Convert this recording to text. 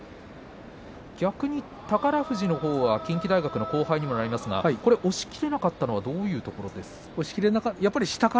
宝富士のほうは近畿大学の後輩になりますけども押しきれなかったのはどういうところですか。